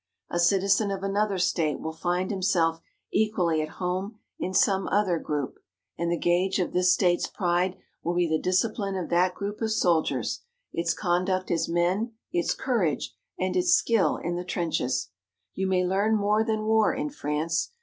A citizen of another State will find himself equally at home in some other group, and the gauge of this State's pride will be the discipline of that group of soldiers, its conduct as men, its courage, and its skill in the trenches. You may learn more than war in France.